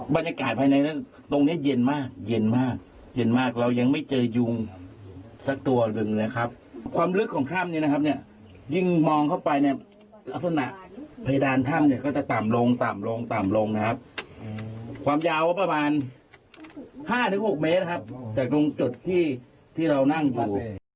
บรรยากาศภายในตรงนี้เย็นมากเย็นมากเย็นมากเรายังไม่เจอยุงสักตัวหนึ่งนะครับความลึกของถ้ำนี้นะครับเนี่ยยิ่งมองเข้าไปเนี่ยลักษณะเพดานถ้ำเนี่ยก็จะต่ำลงต่ำลงต่ำลงนะครับความยาวก็ประมาณ๕๖เมตรนะครับจากตรงจุดที่ที่เรานั่งอยู่